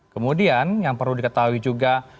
kemudian yang perlu diketahui juga